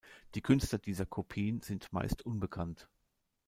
Die Künstler dieser Kopien sind meist unbekannt.